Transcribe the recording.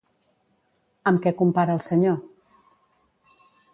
Amb què compara el senyor?